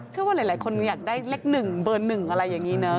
เชื่อว่าหลายคนอยากได้เลข๑เบอร์๑อะไรอย่างนี้เนอะ